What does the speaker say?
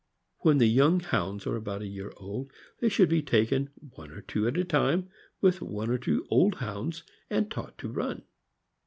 When the young Hounds are about a year old, they should be taken, one or two at a time, with one or two old Hounds and taught to run.